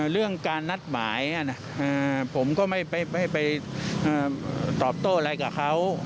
เรื่องการนัดหมายผมก็ไม่ไปตอบโต้อะไรกับเขา